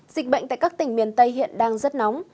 dịch bệnh tại các tỉnh miền tây hiện đang rất nóng